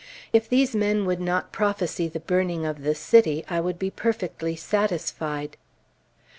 If these men would not prophesy the burning of the city, I would be perfectly satisfied....